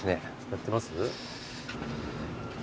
やってます？